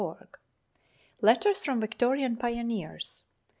260 Letters from Victorian Pioneers, No.